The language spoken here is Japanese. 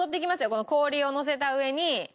この氷をのせた上に。